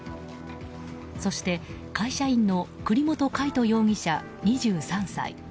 そして、会社員の栗本海斗容疑者、２３歳。